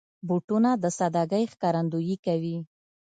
بوټونه د سادګۍ ښکارندويي کوي.